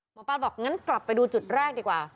หมอปลาบอกงั้นกลับไปดูจุดแรกดีกว่า